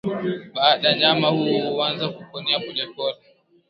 baadaye mnyama huyo huanza kupona polepole